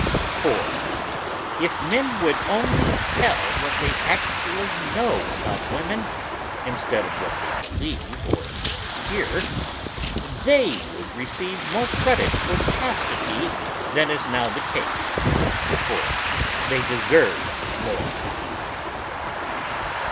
4. If men would only tell what they actually know about women, instead of what they believe or hear, they would receive more credit for chastity than is now the case, for they deserve more.